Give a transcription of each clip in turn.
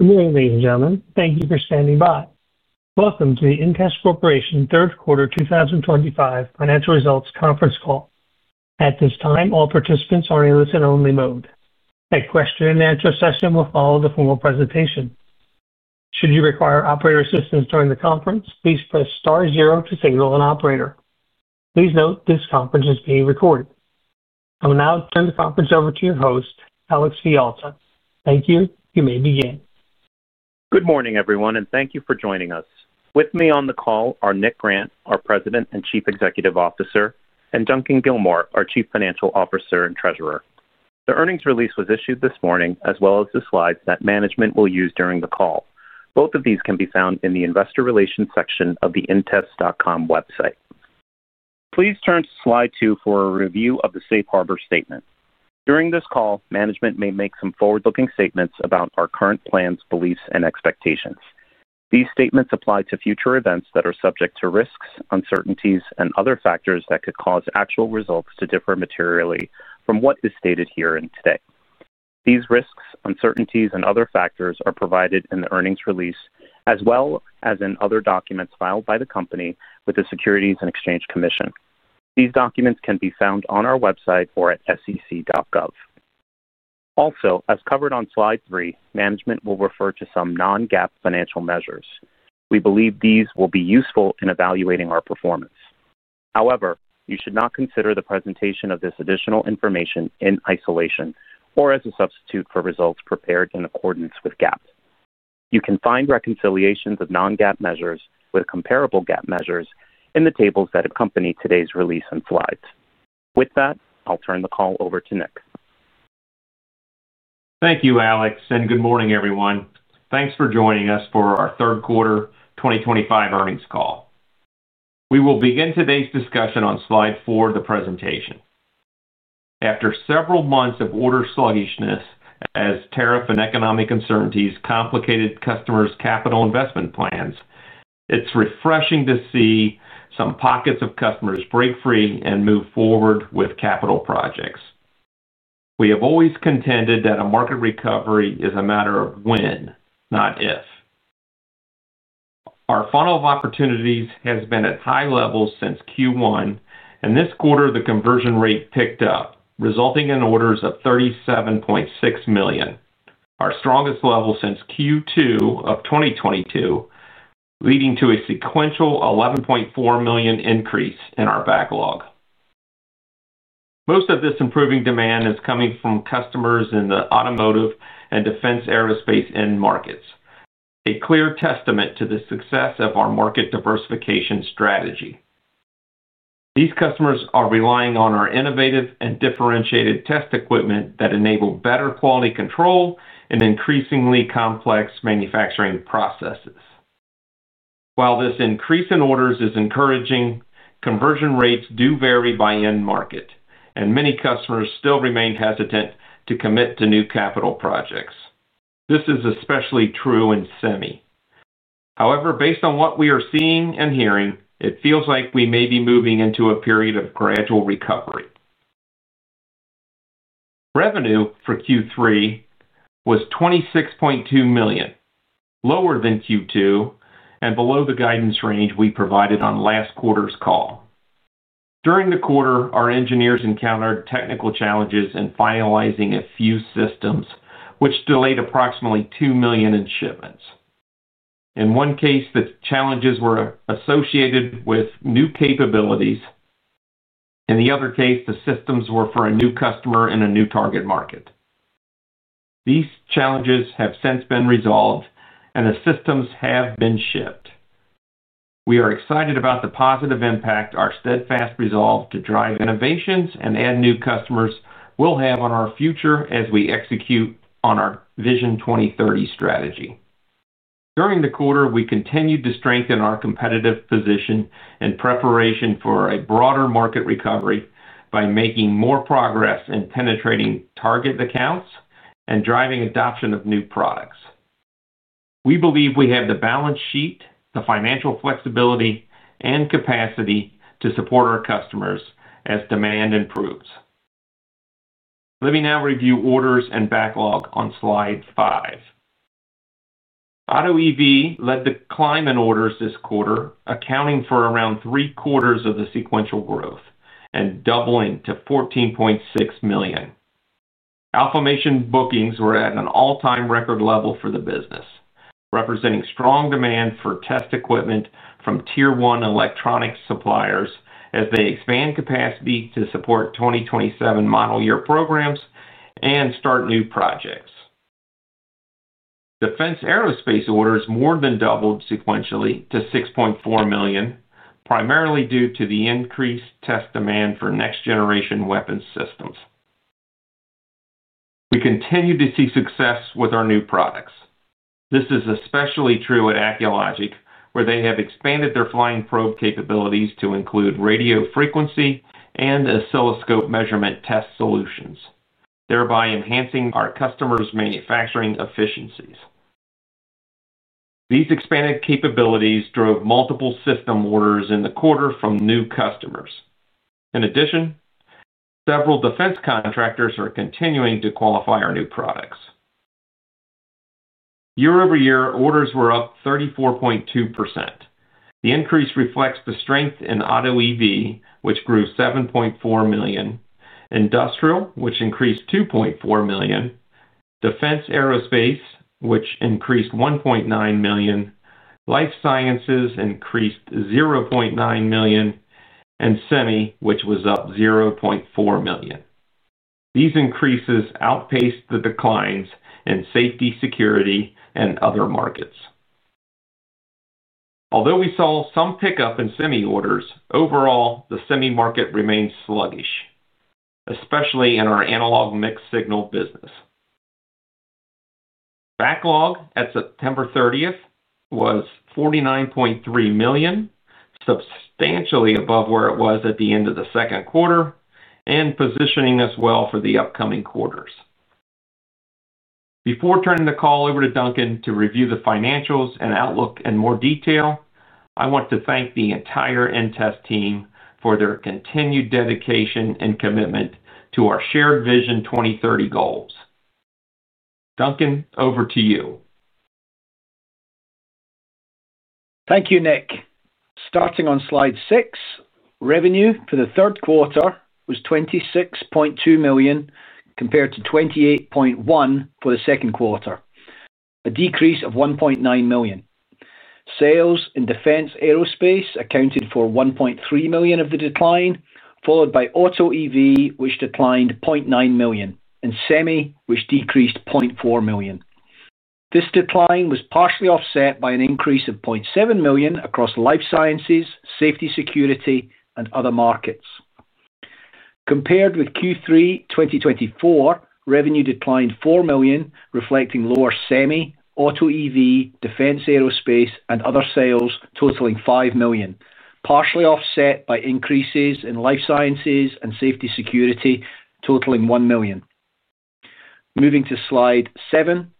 Good evening, gentlemen. Thank you for standing by. Welcome to the InTEST Corporation third quarter 2025 financial results conference call. At this time, all participants are in a listen-only mode. A question-and-answer session will follow the formal presentation. Should you require operator assistance during the conference, please press star zero to signal an operator. Please note this conference is being recorded. I will now turn the conference over to your host, Alex Villalta. Thank you. You may begin. Good morning, everyone, and thank you for joining us. With me on the call are Nick Grant, our President and Chief Executive Officer, and Duncan Gilmour, our Chief Financial Officer and Treasurer. The earnings release was issued this morning, as well as the slides that management will use during the call. Both of these can be found in the Investor Relations section of the InTEST.com website. Please turn to slide two for a review of the Safe Harbor statement. During this call, management may make some forward-looking statements about our current plans, beliefs, and expectations. These statements apply to future events that are subject to risks, uncertainties, and other factors that could cause actual results to differ materially from what is stated here and today. These risks, uncertainties, and other factors are provided in the earnings release as well as in other documents filed by the company with the Securities and Exchange Commission. These documents can be found on our website or at sec.gov. Also, as covered on slide three, management will refer to some non-GAAP financial measures. We believe these will be useful in evaluating our performance. However, you should not consider the presentation of this additional information in isolation or as a substitute for results prepared in accordance with GAAP. You can find reconciliations of non-GAAP measures with comparable GAAP measures in the tables that accompany today's release and slides. With that, I'll turn the call over to Nick. Thank you, Alex, and good morning, everyone. Thanks for joining us for our third quarter 2025 earnings call. We will begin today's discussion on slide four of the presentation. After several months of order sluggishness, as tariff and economic uncertainties complicated customers' capital investment plans, it's refreshing to see some pockets of customers break free and move forward with capital projects. We have always contended that a market recovery is a matter of when, not if. Our funnel of opportunities has been at high levels since Q1, and this quarter, the conversion rate picked up, resulting in orders of $37.6 million, our strongest level since Q2 of 2022, leading to a sequential $11.4 million increase in our backlog. Most of this improving demand is coming from customers in the automotive and defense aerospace end markets, a clear testament to the success of our market diversification strategy. These customers are relying on our innovative and differentiated test equipment that enable better quality control in increasingly complex manufacturing processes. While this increase in orders is encouraging, conversion rates do vary by end market, and many customers still remain hesitant to commit to new capital projects. This is especially true in semi. However, based on what we are seeing and hearing, it feels like we may be moving into a period of gradual recovery. Revenue for Q3 was $26.2 million, lower than Q2 and below the guidance range we provided on last quarter's call. During the quarter, our engineers encountered technical challenges in finalizing a few systems, which delayed approximately $2 million in shipments. In one case, the challenges were associated with new capabilities. In the other case, the systems were for a new customer in a new target market. These challenges have since been resolved, and the systems have been shipped. We are excited about the positive impact our steadfast resolve to drive innovations and add new customers will have on our future as we execute on our Vision 2030 strategy. During the quarter, we continued to strengthen our competitive position in preparation for a broader market recovery by making more progress in penetrating target accounts and driving adoption of new products. We believe we have the balance sheet, the financial flexibility, and capacity to support our customers as demand improves. Let me now review orders and backlog on slide five. AutoEV led the climb in orders this quarter, accounting for around three quarters of the sequential growth and doubling to $14.6 million. Alphamation bookings were at an all-time record level for the business. Representing strong demand for test equipment from tier one electronics suppliers as they expand capacity to support 2027 model year programs and start new projects. Defense aerospace orders more than doubled sequentially to $6.4 million, primarily due to the increased test demand for next-generation weapons systems. We continue to see success with our new products. This is especially true at Acculogic, where they have expanded their flying probe capabilities to include radio frequency and oscilloscope measurement test solutions, thereby enhancing our customers' manufacturing efficiencies. These expanded capabilities drove multiple system orders in the quarter from new customers. In addition, several defense contractors are continuing to qualify our new products. Year over year, orders were up 34.2%. The increase reflects the strength in AutoEV, which grew $7.4 million, industrial, which increased $2.4 million, defense aerospace, which increased $1.9 million, life sciences increased $0.9 million, and semi, which was up $0.4 million. These increases outpaced the declines in safety, security, and other markets. Although we saw some pickup in semi orders, overall, the semi market remained sluggish, especially in our analog mixed signal business. Backlog at September 30th was $49.3 million, substantially above where it was at the end of the second quarter and positioning us well for the upcoming quarters. Before turning the call over to Duncan to review the financials and outlook in more detail, I want to thank the entire InTEST team for their continued dedication and commitment to our shared Vision 2030 goals. Duncan, over to you. Thank you, Nick. Starting on slide six, revenue for the third quarter was $26.2 million compared to $28.1 million for the second quarter, a decrease of $1.9 million. Sales in defense aerospace accounted for $1.3 million of the decline, followed by AutoEV, which declined $0.9 million, and semi, which decreased $0.4 million. This decline was partially offset by an increase of $0.7 million across life sciences, safety, security, and other markets. Compared with Q3 2024, revenue declined $4 million, reflecting lower semi, AutoEV, defense aerospace, and other sales totaling $5 million, partially offset by increases in life sciences and safety, security totaling $1 million. Moving to slide seven,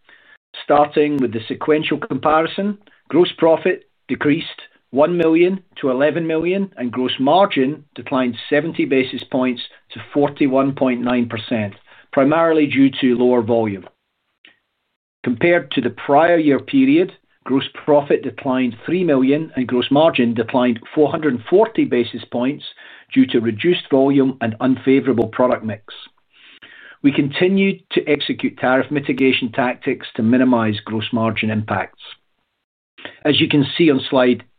starting with the sequential comparison, gross profit decreased $1 million to $11 million, and gross margin declined 70 basis points to 41.9%, primarily due to lower volume. Compared to the prior year period, gross profit declined $3 million, and gross margin declined 440 basis points due to reduced volume and unfavorable product mix. We continued to execute tariff mitigation tactics to minimize gross margin impacts. As you can see on slide eight,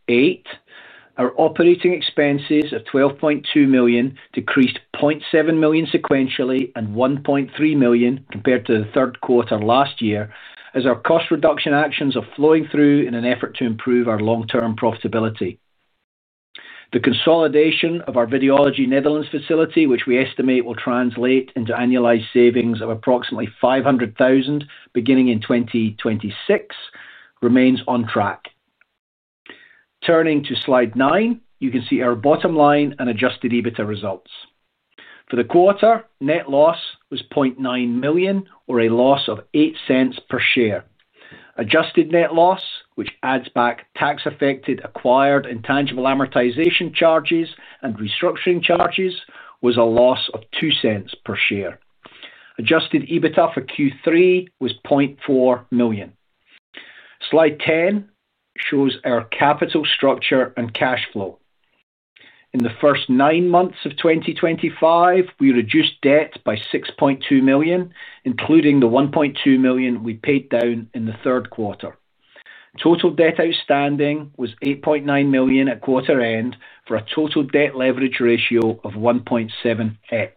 our operating expenses of $12.2 million decreased $0.7 million sequentially and $1.3 million compared to the third quarter last year as our cost reduction actions are flowing through in an effort to improve our long-term profitability. The consolidation of our Videology Netherlands facility, which we estimate will translate into annualized savings of approximately $500,000 beginning in 2026, remains on track. Turning to slide nine, you can see our bottom line and adjusted EBITDA results. For the quarter, net loss was $0.9 million, or a loss of $0.08 per share. Adjusted net loss, which adds back tax-affected acquired intangible amortization charges and restructuring charges, was a loss of $0.02 per share. Adjusted EBITDA for Q3 was $0.4 million. Slide 10 shows our capital structure and cash flow. In the first nine months of 2025, we reduced debt by $6.2 million, including the $1.2 million we paid down in the third quarter. Total debt outstanding was $8.9 million at quarter end for a total debt leverage ratio of 1.7x.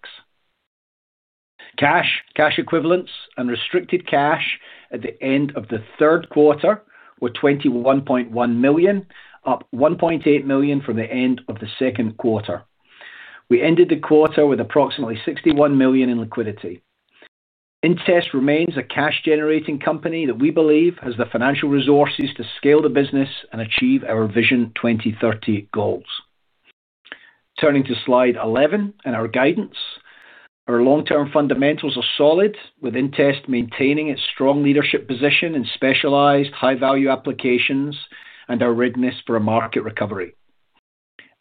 Cash, cash equivalents, and restricted cash at the end of the third quarter were $21.1 million, up $1.8 million from the end of the second quarter. We ended the quarter with approximately $61 million in liquidity. InTEST remains a cash-generating company that we believe has the financial resources to scale the business and achieve our Vision 2030 goals. Turning to slide 11 in our guidance. Our long-term fundamentals are solid, with InTEST maintaining its strong leadership position in specialized high-value applications and our readiness for a market recovery.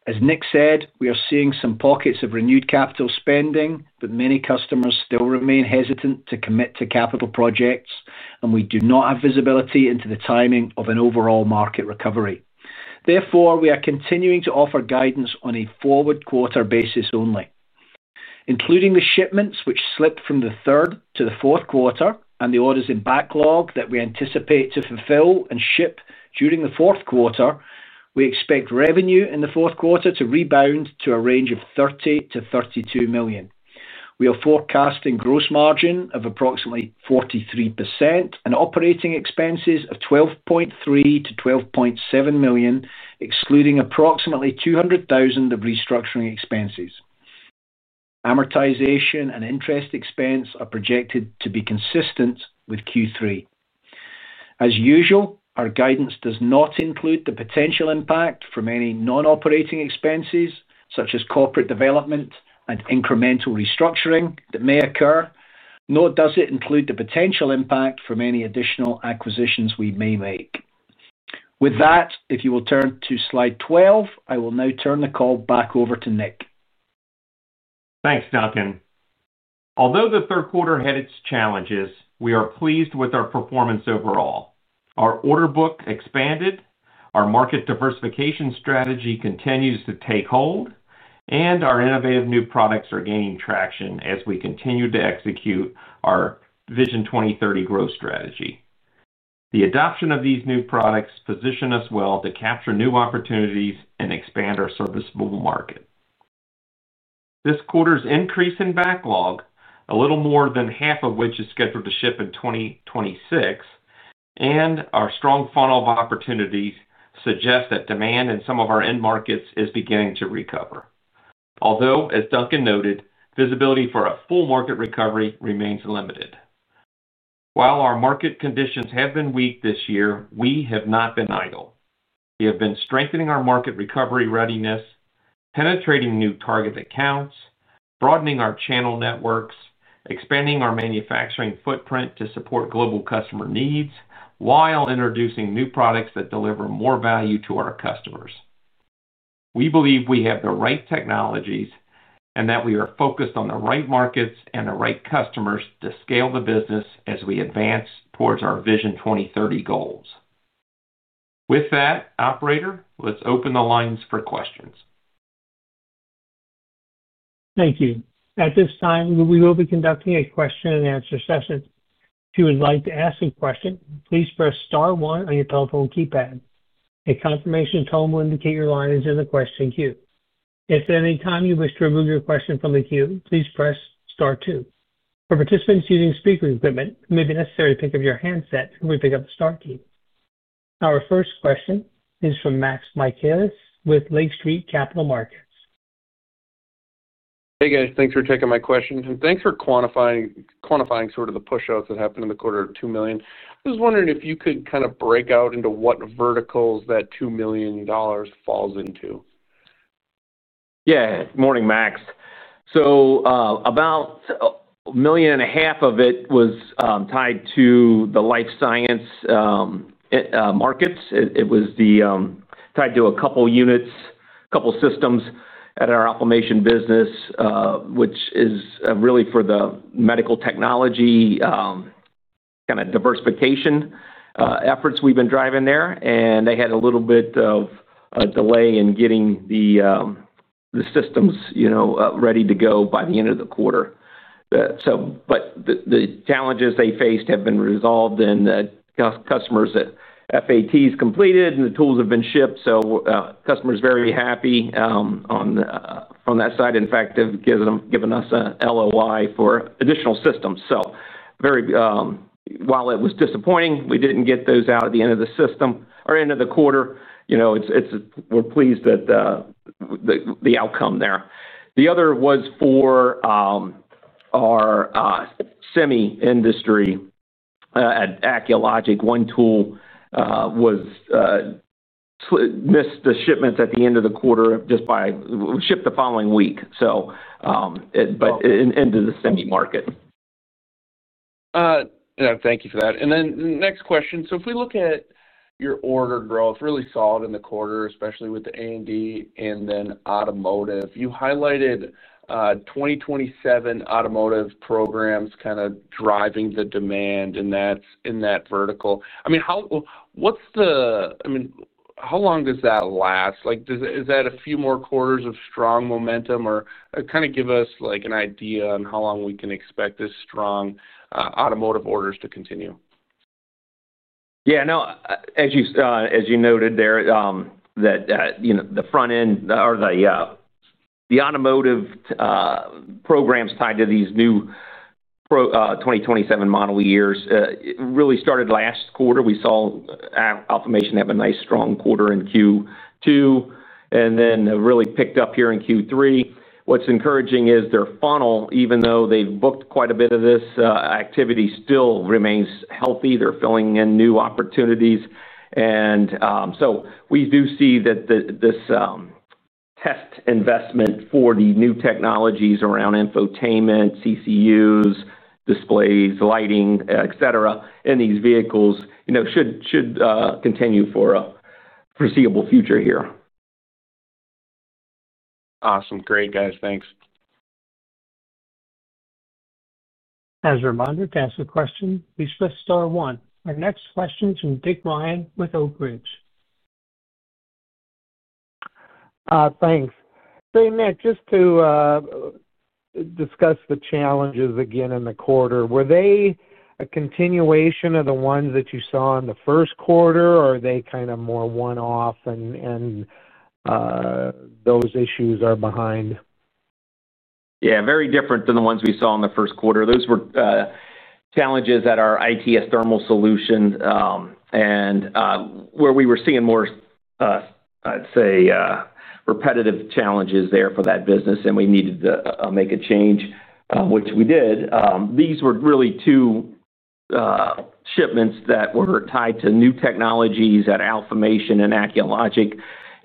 As Nick said, we are seeing some pockets of renewed capital spending, but many customers still remain hesitant to commit to capital projects, and we do not have visibility into the timing of an overall market recovery. Therefore, we are continuing to offer guidance on a forward quarter basis only. Including the shipments which slipped from the third to the fourth quarter and the orders in backlog that we anticipate to fulfill and ship during the fourth quarter, we expect revenue in the fourth quarter to rebound to a range of $30 million-$32 million. We are forecasting gross margin of approximately 43% and operating expenses of $12.3 million-$12.7 million, excluding approximately $200,000 of restructuring expenses. Amortization and interest expense are projected to be consistent with Q3. As usual, our guidance does not include the potential impact from any non-operating expenses such as corporate development and incremental restructuring that may occur, nor does it include the potential impact from any additional acquisitions we may make. With that, if you will turn to slide 12, I will now turn the call back over to Nick. Thanks, Duncan. Although the third quarter had its challenges, we are pleased with our performance overall. Our order book expanded, our market diversification strategy continues to take hold, and our innovative new products are gaining traction as we continue to execute our Vision 2030 growth strategy. The adoption of these new products positions us well to capture new opportunities and expand our serviceable market. This quarter's increase in backlog, a little more than half of which is scheduled to ship in 2026, and our strong funnel of opportunities suggest that demand in some of our end markets is beginning to recover. Although, as Duncan noted, visibility for a full market recovery remains limited. While our market conditions have been weak this year, we have not been idle. We have been strengthening our market recovery readiness, penetrating new target accounts, broadening our channel networks, expanding our manufacturing footprint to support global customer needs while introducing new products that deliver more value to our customers. We believe we have the right technologies and that we are focused on the right markets and the right customers to scale the business as we advance towards our Vision 2030 goals. With that, operator, let's open the lines for questions. Thank you. At this time, we will be conducting a question-and-answer session. If you would like to ask a question, please press star one on your telephone keypad. A confirmation tone will indicate your line is in the question queue. If at any time you wish to remove your question from the queue, please press star two. For participants using speaker equipment, it may be necessary to pick up your handset when you press the star key. Our first question is from Max Michaelis with Lake Street Capital Markets. Hey, guys. Thanks for taking my question. Thanks for quantifying sort of the push-ups that happened in the quarter of $2 million. I was wondering if you could kind of break out into what verticals that $2 million falls into. Yeah. Morning, Max. So about $1.5 million of it was tied to the life sciences markets. It was tied to a couple of units, a couple of systems at our Alphamation business, which is really for the medical technology kind of diversification efforts we've been driving there. They had a little bit of a delay in getting the systems ready to go by the end of the quarter. The challenges they faced have been resolved, and customers, that factory acceptance test has completed and the tools have been shipped, so customers are very happy from that side. In fact, they've given us an LOI for additional systems. While it was disappointing we did not get those out at the end of the quarter, we're pleased with the outcome there. The other was for our semi industry at Acculogic. One tool was. Missed the shipments at the end of the quarter, just by shipped the following week, so. But into the semi market. Thank you for that. And then the next question. If we look at your order growth, really solid in the quarter, especially with the A&D and then automotive, you highlighted. 2027 automotive programs kind of driving the demand in that vertical. I mean, what's the—I mean, how long does that last? Is that a few more quarters of strong momentum or kind of give us an idea on how long we can expect this strong automotive orders to continue? Yeah. No, as you noted there, that the front end or the automotive programs tied to these new 2027 model years really started last quarter. We saw Alphamation have a nice strong quarter in Q2 and then really picked up here in Q3. What's encouraging is their funnel, even though they've booked quite a bit of this activity, still remains healthy. They're filling in new opportunities. We do see that this test investment for the new technologies around infotainment, CCUs, displays, lighting, etc., in these vehicles should continue for a foreseeable future here. Awesome. Great, guys. Thanks. As a reminder, to ask a question, please press star one. Our next question is from Dick Ryan with Oak Ridge. Thanks. Nick, just to discuss the challenges again in the quarter, were they a continuation of the ones that you saw in the first quarter, or are they kind of more one-off and those issues are behind? Yeah, very different than the ones we saw in the first quarter. Those were challenges at our ITS thermal solution, and where we were seeing more, I'd say, repetitive challenges there for that business, and we needed to make a change, which we did. These were really two shipments that were tied to new technologies at Alphamation and Acculogic.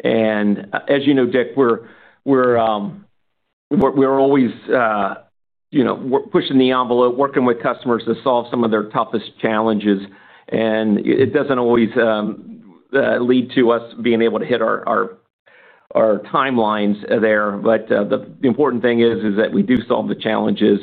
As you know, Dick, we're always pushing the envelope, working with customers to solve some of their toughest challenges. It doesn't always lead to us being able to hit our timelines there. The important thing is that we do solve the challenges,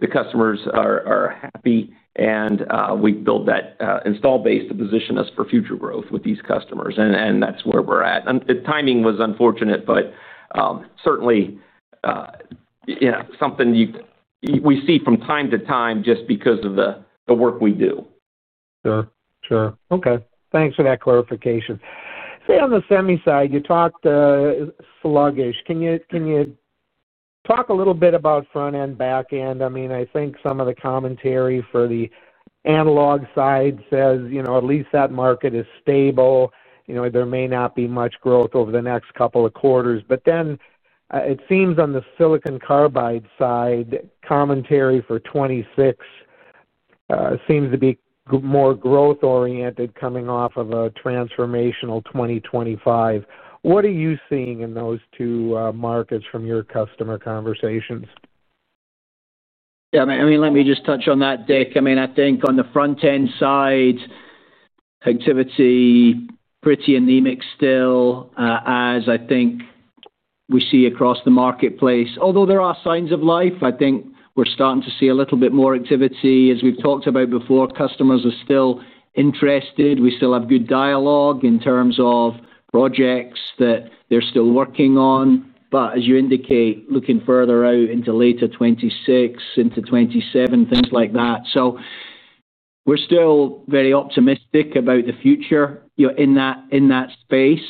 the customers are happy, and we build that install base to position us for future growth with these customers. That's where we're at. The timing was unfortunate, but certainly something we see from time to time just because of the work we do. Sure. Okay. Thanks for that clarification. Say on the semi side, you talked. Sluggish. Can you talk a little bit about front end, back end? I mean, I think some of the commentary for the analog side says at least that market is stable. There may not be much growth over the next couple of quarters. It seems on the silicon carbide side, commentary for 2026 seems to be more growth-oriented coming off of a transformational 2025. What are you seeing in those two markets from your customer conversations? Yeah. I mean, let me just touch on that, Dick. I mean, I think on the front end side, activity is pretty anemic still, as I think. We see across the marketplace. Although there are signs of life, I think we're starting to see a little bit more activity. As we've talked about before, customers are still interested. We still have good dialogue in terms of projects that they're still working on. As you indicate, looking further out into later 2026, into 2027, things like that. We are still very optimistic about the future in that space.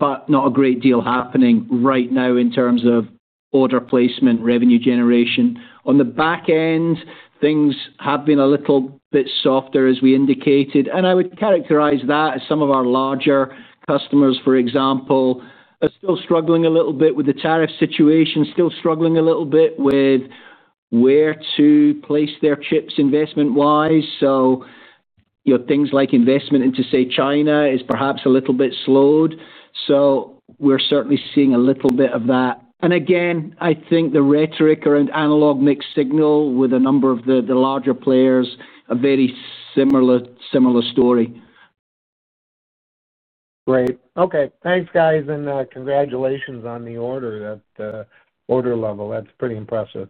Not a great deal happening right now in terms of order placement, revenue generation. On the back end, things have been a little bit softer, as we indicated. I would characterize that as some of our larger customers, for example, are still struggling a little bit with the tariff situation, still struggling a little bit with where to place their chips investment-wise. Things like investment into, say, China is perhaps a little bit slowed. We are certainly seeing a little bit of that. Again, I think the rhetoric around analog mixed signal with a number of the larger players is a very similar story. Great. Okay. Thanks, guys. And congratulations on the order level. That's pretty impressive.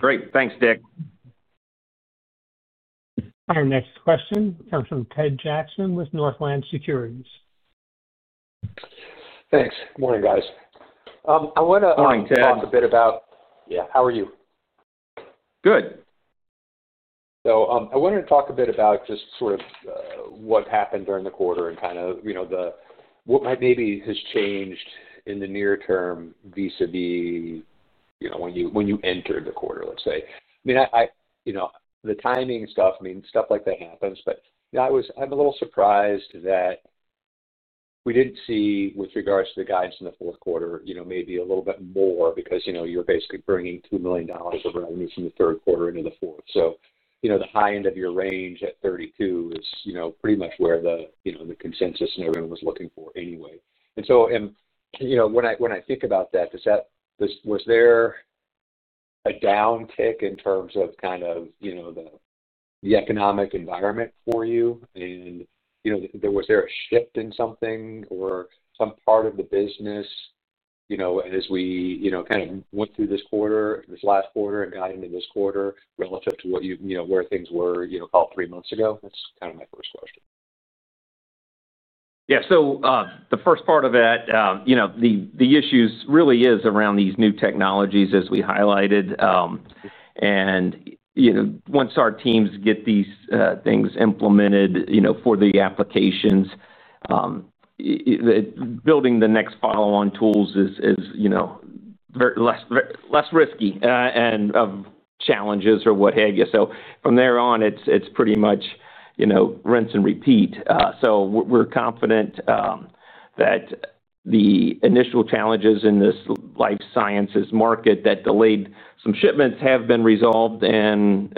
Great. Thanks, Dick. Our next question comes from Ted Jackson with Northland Securities. Thanks. Good morning, guys. I want to talk a bit about—yeah. How are you? Good. I wanted to talk a bit about just sort of what happened during the quarter and kind of what maybe has changed in the near term vis-à-vis when you entered the quarter, let's say. I mean, the timing stuff, stuff like that happens. I'm a little surprised that we didn't see, with regards to the guidance in the fourth quarter, maybe a little bit more because you're basically bringing $2 million of revenue from the third quarter into the fourth. The high end of your range at $32 million is pretty much where the consensus everyone was looking for anyway. When I think about that, was there a downtick in terms of kind of the economic environment for you? Was there a shift in something or some part of the business? As we kind of went through this quarter, this last quarter, and got into this quarter relative to where things were about three months ago? That's kind of my first question. Yeah. The first part of that, the issue really is around these new technologies, as we highlighted. Once our teams get these things implemented for the applications, building the next follow-on tools is less risky and of challenges or what have you. From there on, it's pretty much rinse and repeat. We're confident that the initial challenges in this life sciences market that delayed some shipments have been resolved, and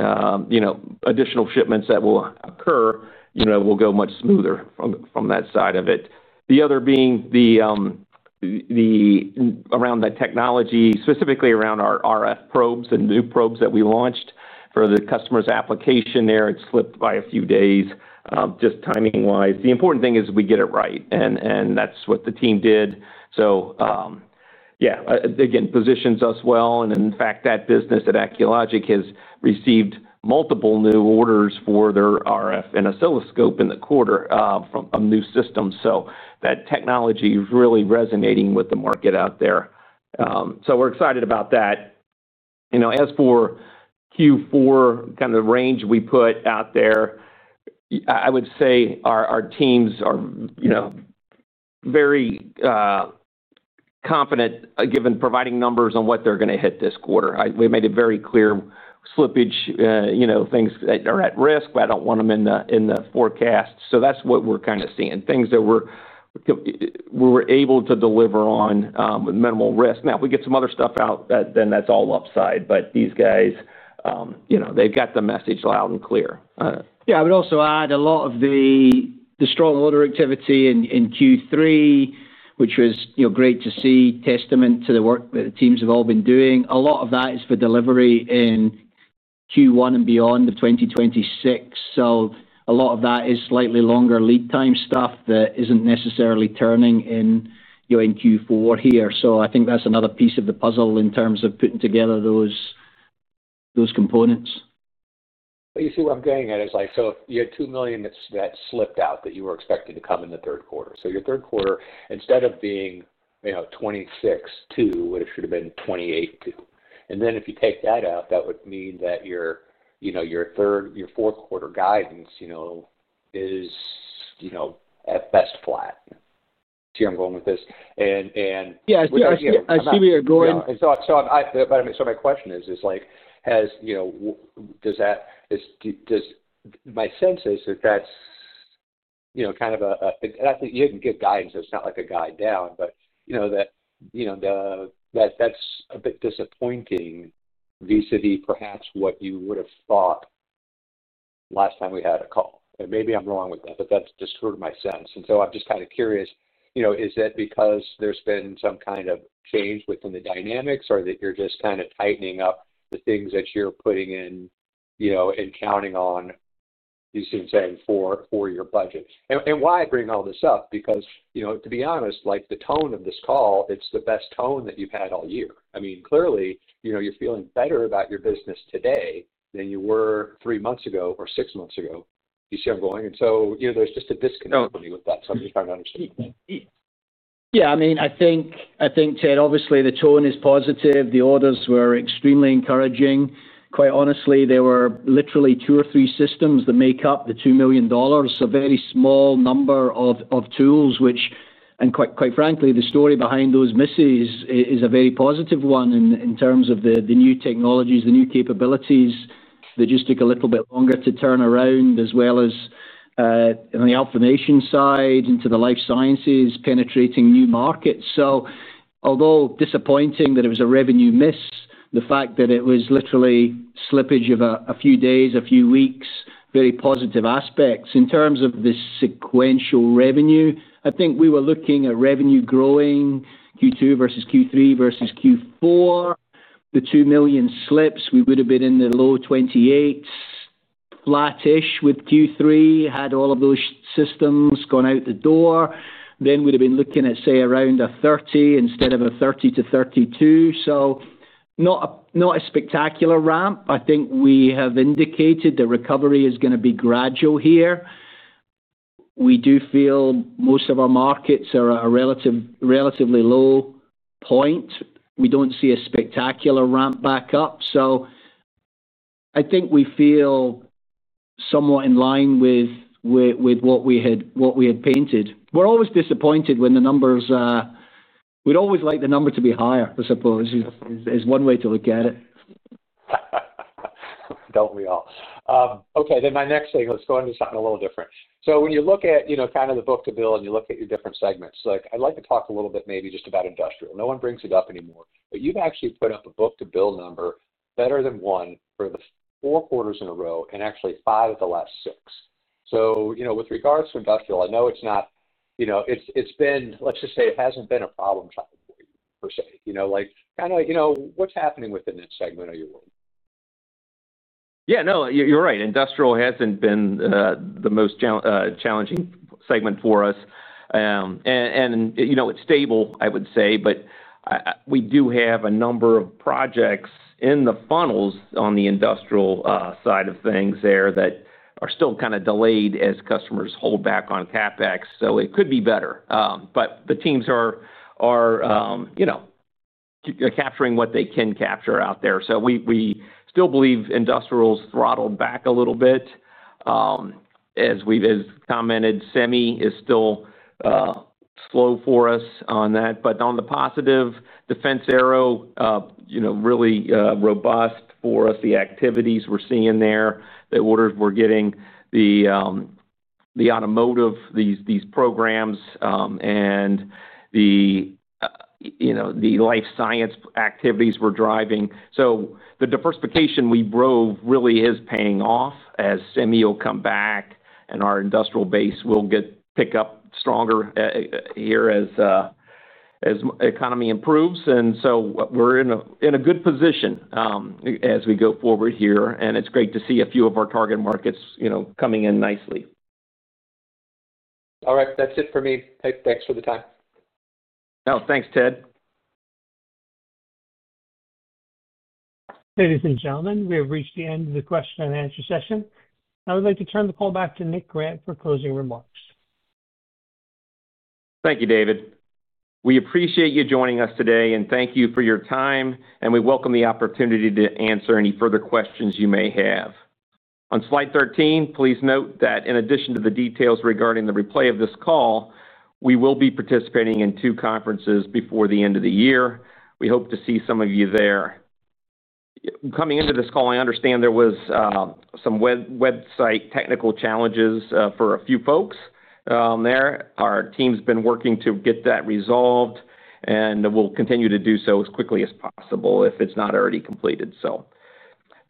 additional shipments that will occur will go much smoother from that side of it. The other being around that technology, specifically around our RF probes and new probes that we launched for the customer's application there. It slipped by a few days, just timing-wise. The important thing is we get it right, and that's what the team did. Yeah, again, positions us well. In fact, that business at Acculogic has received multiple new orders for their RF and oscilloscope in the quarter from a new system. That technology is really resonating with the market out there. We are excited about that. As for Q4, kind of the range we put out there, I would say our teams are very confident, given providing numbers on what they are going to hit this quarter. We made it very clear slippage, things that are at risk, but I do not want them in the forecast. That is what we are kind of seeing, things that we are able to deliver on with minimal risk. If we get some other stuff out, then that is all upside. These guys, they have got the message loud and clear. I would also add a lot of the. Strong order activity in Q3, which was great to see, testament to the work that the teams have all been doing. A lot of that is for delivery in Q1 and beyond of 2026. So a lot of that is slightly longer lead time stuff that isn't necessarily turning in Q4 here. I think that's another piece of the puzzle in terms of putting together those components. You see what I'm getting at is so you had $2 million that slipped out that you were expected to come in the third quarter. So your third quarter, instead of being $26.2, it should have been $28.2. And then if you take that out, that would mean that your fourth quarter guidance is at best flat. See where I'm going with this? And. Yeah. I see where you're going. My question is, does. My sense is that that's kind of a—I think you didn't give guidance. It's not like a guide down, but that that's a bit disappointing vis-à-vis perhaps what you would have thought last time we had a call. Maybe I'm wrong with that, but that's just sort of my sense. I'm just kind of curious, is that because there's been some kind of change within the dynamics, or that you're just kind of tightening up the things that you're putting in and counting on? You seem to say, for your budget. Why I bring all this up, because, to be honest, the tone of this call, it's the best tone that you've had all year. I mean, clearly, you're feeling better about your business today than you were three months ago or six months ago. You see where I'm going? There's just a disconnect with that. I'm just trying to understand. Yeah. I mean, I think, Ted, obviously, the tone is positive. The orders were extremely encouraging. Quite honestly, there were literally two or three systems that make up the $2 million. A very small number of tools, which, and quite frankly, the story behind those misses is a very positive one in terms of the new technologies, the new capabilities that just took a little bit longer to turn around, as well as on the Alphamation side into the life sciences penetrating new markets. Although disappointing that it was a revenue miss, the fact that it was literally slippage of a few days, a few weeks, very positive aspects. In terms of the sequential revenue, I think we were looking at revenue growing Q2 versus Q3 versus Q4. The $2 million slips, we would have been in the low 28s. Flattish with Q3, had all of those systems gone out the door. Then we'd have been looking at, say, around $30 million instead of a $30 million-$32 million. Not a spectacular ramp. I think we have indicated the recovery is going to be gradual here. We do feel most of our markets are at a relatively low point. We do not see a spectacular ramp back up. I think we feel somewhat in line with what we had painted. We are always disappointed when the numbers— We would always like the number to be higher, I suppose, is one way to look at it. Don't we all? Okay. My next thing is going to be something a little different. When you look at kind of the book to bill and you look at your different segments, I'd like to talk a little bit maybe just about industrial. No one brings it up anymore, but you've actually put up a book to bill number better than one for four quarters in a row and actually five of the last six. With regards to industrial, I know it's not—let's just say, it hasn't been a problem for you, per se. Kind of what's happening within that segment of your world? Yeah. No, you're right. Industrial hasn't been the most challenging segment for us. It's stable, I would say. We do have a number of projects in the funnels on the industrial side of things there that are still kind of delayed as customers hold back on CapEx. It could be better. The teams are capturing what they can capture out there. We still believe industrial's throttled back a little bit. As we've commented, semi is still slow for us on that. On the positive, defense aerospace is really robust for us. The activities we're seeing there, the orders we're getting, the automotive, these programs, and the life science activities we're driving. The diversification we drove really is paying off as semi will come back and our industrial base will pick up stronger here as the economy improves. We're in a good position. As we go forward here, it's great to see a few of our target markets coming in nicely. All right. That's it for me. Thanks for the time. Oh, thanks, Ted. Ladies and gentlemen, we have reached the end of the question and answer session. I would like to turn the call back to Nick Grant for closing remarks. Thank you, David. We appreciate you joining us today, and thank you for your time. We welcome the opportunity to answer any further questions you may have. On slide 13, please note that in addition to the details regarding the replay of this call, we will be participating in two conferences before the end of the year. We hope to see some of you there. Coming into this call, I understand there was some website technical challenges for a few folks there. Our team's been working to get that resolved, and we'll continue to do so as quickly as possible if it's not already completed.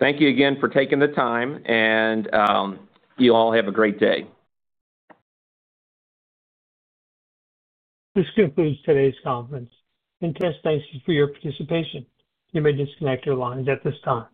Thank you again for taking the time. You all have a great day. This concludes today's conference. Ted, thanks for your participation. You may disconnect your lines at this time.